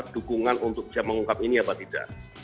dukungan untuk bisa mengungkap ini apa tidak